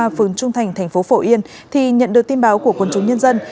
phường trung thành thành phố phổ yên thì nhận được tin báo của quân chúng nhân dân